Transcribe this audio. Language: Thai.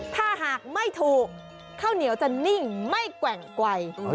ถ้าหากไม่ถูกข้าวเหนียวจะนิ่งไม่แกว่งไกล